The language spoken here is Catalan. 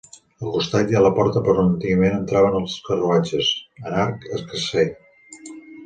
Al costat hi ha la porta per on antigament entraven els carruatges, en arc escarser.